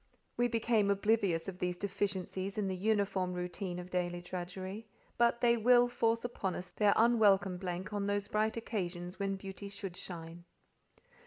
We become oblivious of these deficiencies in the uniform routine of daily drudgery, but they will force upon us their unwelcome blank on those bright occasions when beauty should shine.